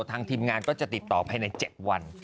ทางทีมงานก็จะติดต่อภายใน๗วัน